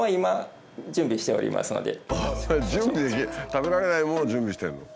食べられないものを準備してるの？